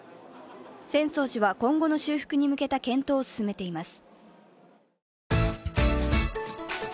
浅草寺は今後の修復に向けた検討を進めています。